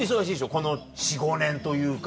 この４５年というか。